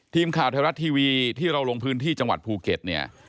ทีมข่าวไทยรัฐทีวีที่เราลงพื้นที่จังหวัดภูเก็ตเนี่ย